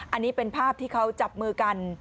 อันนี้เป็นภาพที่เขาจับมือกัน